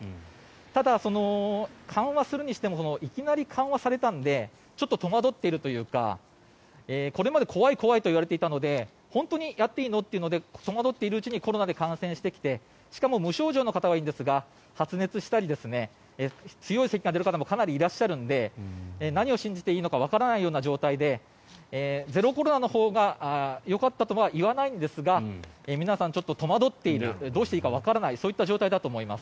ただ、緩和するにしてもいきなり緩和されたのでちょっと戸惑っているというかこれまで怖い怖いといわれていたので本当にやっていいのというので戸惑っているうちにコロナで感染してきてしかも無症状の方はいいんですが発熱したり強いせきが出る方もかなりいらっしゃるので何を信じていいのかわからないような状況でゼロコロナのほうがよかったとは言わないんですが皆さん、ちょっと戸惑っているどうしたらいいかわからないそういった状態だと思います。